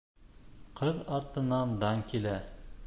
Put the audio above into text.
Ҡыҙ артынан дан килә.